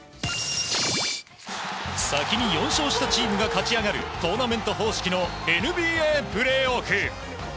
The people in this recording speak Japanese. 先に４勝したチームが勝ち上がるトーナメント方式のＮＢＡプレーオフ。